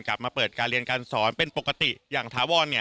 เรียนกลับมาเปิดการเรียนการสอนเป็นปกติอย่างทะว่น